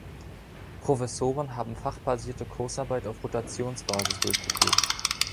Professoren haben fachbasierte Kursarbeit auf Rotationsbasis durchgeführt.